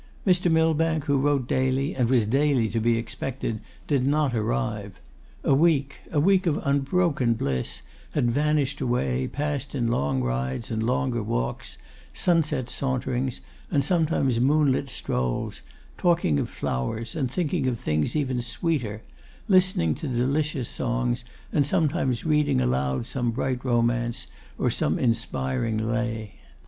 Mr. Millbank, who wrote daily, and was daily to be expected, did not arrive. A week, a week of unbroken bliss, had vanished away, passed in long rides and longer walks, sunset saunterings, and sometimes moonlit strolls; talking of flowers, and thinking of things even sweeter; listening to delicious songs, and sometimes reading aloud some bright romance or some inspiring lay.